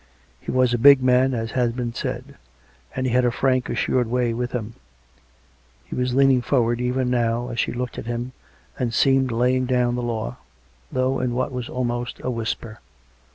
He was a big man, as has been said; and he had a frank assured way with him; he was leaning forward, even now, as she looked at him, and seemed laying down the law, though in what was almost a whisper.